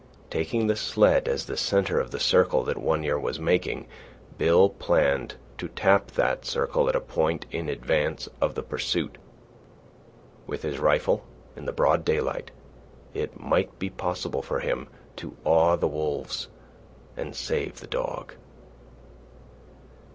Taking the sled as the centre of the circle that One Ear was making, Bill planned to tap that circle at a point in advance of the pursuit. With his rifle, in the broad daylight, it might be possible for him to awe the wolves and save the dog.